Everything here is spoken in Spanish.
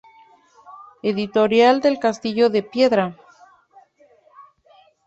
Editorial Del Castillo de Piedra.